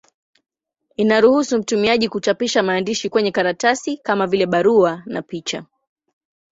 Inaruhusu mtumiaji kuchapisha maandishi kwenye karatasi, kama vile barua na picha.